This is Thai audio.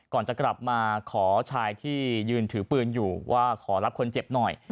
ก่อนจะกลับมาขอชายที่ยืนถือปืนอยู่ว่าขอรับคนเจ็บหน่อย